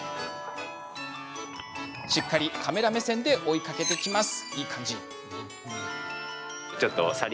しっかりカメラ目線で追いかけてきます。